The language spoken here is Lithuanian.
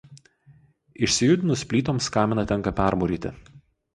Išsijudinus plytoms kaminą tenka permūryti